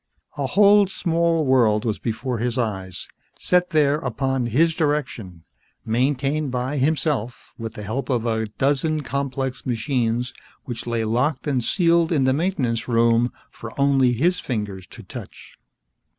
A whole small world was before his eyes, set there upon his direction, maintained by himself with the help of a dozen complex machines which lay locked and sealed in the Maintenance Room for only his fingers to touch.